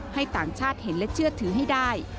ต่างชาติเห็นและเชื่อถือให้ได้